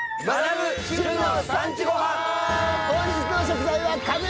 本日の食材はカブ！